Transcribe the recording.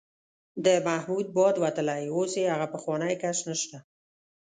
د محمود باد وتلی، اوس یې هغه پخوانی کش نشته.